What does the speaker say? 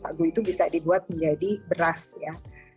sagu itu bisa dibuat menjadi beras ya